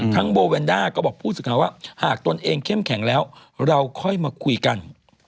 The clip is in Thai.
ทั้งโบเวนด้าก็บอกพูดสินะว่าหากตนเองเข้มแข็งแล้วเราค่อยมาคุยกัน